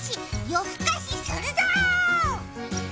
夜ふかしするぞー。